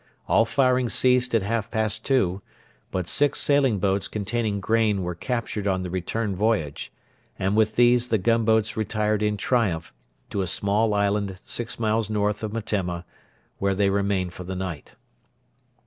All firing ceased at half past two; but six sailing boats containing grain were captured on the return voyage, and with these the gunboats retired in triumph to a small island six miles north of Metemma, where they remained for the night.